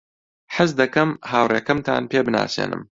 حەز دەکەم هاوڕێکەمتان پێ بناسێنم.